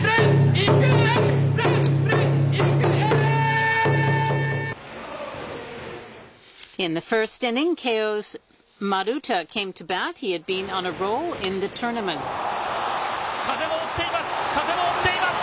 １番風も追っています。